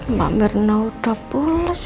mbak merna udah pulas